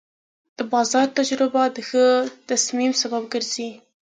د بازار تجربه د ښه تصمیم سبب ګرځي.